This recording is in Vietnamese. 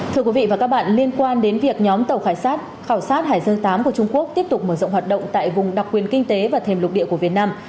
thưa quý vị và các bạn liên quan đến việc nhóm tàu khảo sát khảo sát hải dương viii của trung quốc tiếp tục mở rộng hoạt động tại vùng đặc quyền kinh tế và thềm lục địa của việt nam